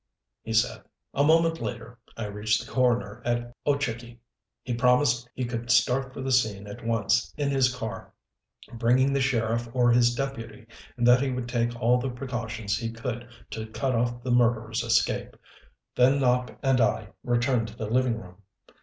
he said. A moment later I reached the coroner at Ochakee. He promised he could start for the scene at once, in his car, bringing the sheriff or his deputy, and that he would take all the precautions he could to cut off the murderer's escape. Then Nopp and I returned to the living room.